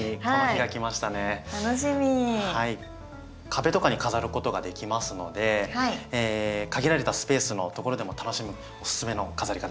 壁とかに飾ることができますので限られたスペースのところでも楽しむおすすめの飾り方になります。